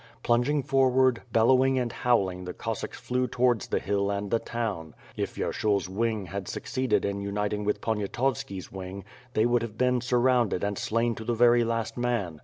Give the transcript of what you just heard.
Plunging for ward, bellowing and howling the Cossacks flew towards the hill and the town. If Vyershul's wing had succeeded in unit ing with Poniatovski's wing, they would have been suiv rounded and slain to the very last man.